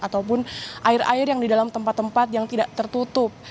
ataupun air air yang di dalam tempat tempat yang tidak tertutup